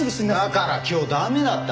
だから今日駄目だって。